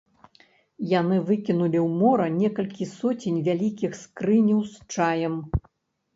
Яны выкінулі ў мора некалькі соцень вялікіх скрыняў з чаем.